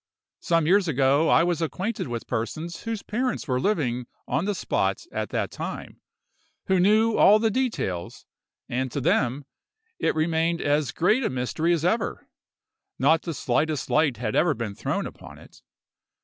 Some years ago, I was acquainted with persons whose parents were living on the spot at that time, who knew all the details, and to them it remained as great a mystery as ever; not the smallest light had ever been thrown upon it.